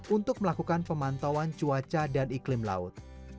untuk melakukan pemantauan cuaca dan iklim laut